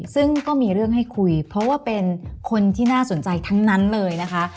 ซึ่งก็มีเรื่องให้คุยเพราะว่าเป็นคนที่น่าสนใจทั้งนั้นเลยนะคะ